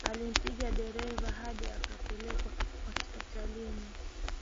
Alimpiga dereva hadi akapelekwa hospitalini